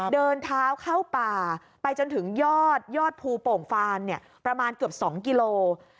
เดินเท้าเข้าป่าไปจนถึงยอดยอดภูโป่งฟานประมาณเกือบ๒กิโล